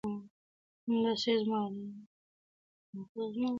په ټولۍ کي به د زرکو واویلا وه -